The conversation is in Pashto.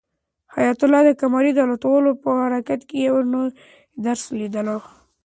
حیات الله د قمرۍ د الوتلو په هر حرکت کې یو نوی درس لیدلو.